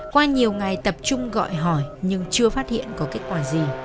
qua nhiều ngày tập trung gọi hỏi nhưng chưa phát hiện có kết quả gì